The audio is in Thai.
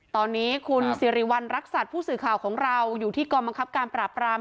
ตอนนี้คุณสิริวัณรักษัตริย์ผู้สื่อข่าวของเราอยู่ที่กองบังคับการปราบราม